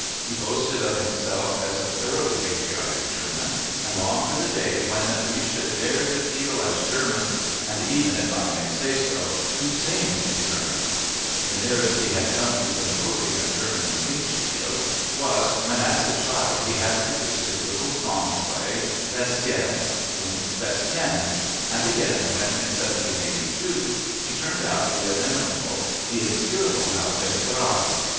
He boasted of himself as a thoroughly patriotic German and longed for the day when "we should dare to 'feel as Germans and even, if I may say so, to sing in German.'" The nearest he had come to composing a German Singspiel was when as a child he had produced his little song play Bastien und Bastienne and again when, in 1782, he turned out the inimitable Die Entführung aus dem Serail.